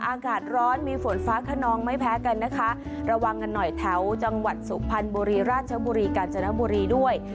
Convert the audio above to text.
อากาศร้อนมีฝนฟ้าขนองไม่แพ้กันนะคะระวังกันหน่อยแถวจังหวัดสุพรรณบุรีราชบุรีกาญจนบุรีด้วย